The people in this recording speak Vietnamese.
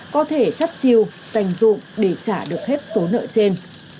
có thể chấp chiêu dành dụng để trả được hết số nợ trên